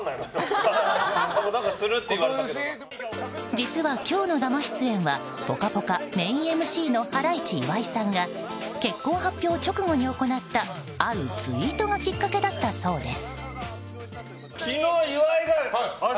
実は、今日の生出演は「ぽかぽか」メインＭＣのハライチ岩井さんが結婚発表直後に行ったあるツイートがきっかけだったそうです。